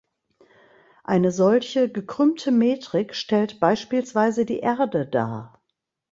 Eine solche gekrümmte Metrik stellt beispielsweise die Erde dar.